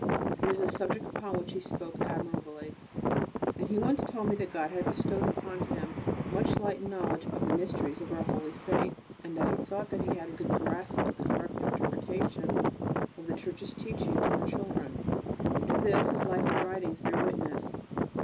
It was a subject upon which he spoke admirably, and he once told me that God had bestowed upon him much light and knowledge of the mysteries of our holy faith, and he thought that he had a good grasp of the correct interpretation of the Church's teachings to her children. To this his life and writings bear witness.